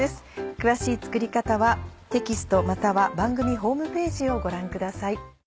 詳しい作り方はテキストまたは番組ホームページをご覧ください。